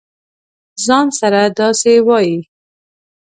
ځـان سره داسې وایې.